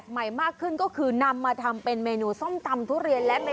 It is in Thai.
หน้าทุเรียนแล้วดิ